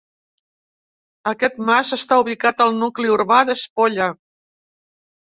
Aquest mas està ubicat al nucli urbà d'Espolla.